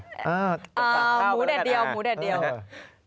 ตากข้าวไปละกันแต่งแม้วนี่แบบนี้ค่ะอ่าหูแดดเดี่ยวหูแดดเดี่ยว